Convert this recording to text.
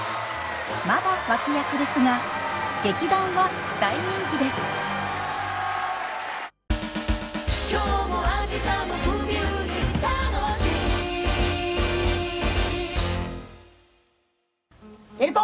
まだ脇役ですが劇団は大人気です照子！